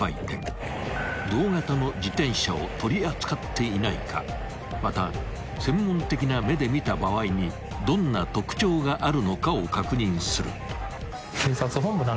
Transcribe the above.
［同型の自転車を取り扱っていないかまた専門的な目で見た場合にどんな特徴があるのかを確認する］